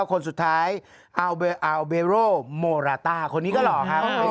คนสุดท้ายอัลเบอัลเบโรโมราตาคนนี้ก็หล่อครับอ๋อหรออ่า